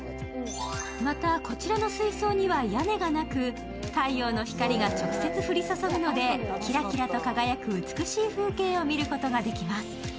また、こちらの水槽には屋根がなく、太陽の光が直接降り注ぐので、キラキラと輝く美しい風景を見ることができます。